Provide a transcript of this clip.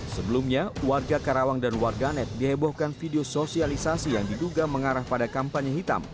sebelumnya warga karawang dan warganet dihebohkan video sosialisasi yang diduga mengarah pada kampanye hitam